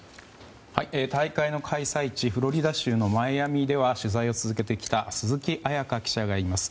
大会の開催地フロリダ州のマイアミでは取材を続けてきた鈴木彩加記者がいます。